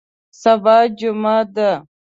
سبا جمعه ده